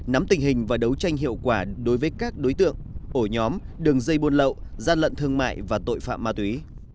nắm tình hình và đấu tranh hiệu quả đối với các đối tượng ổ nhóm đường dây buôn lậu gian lận thương mại và tội phạm ma túy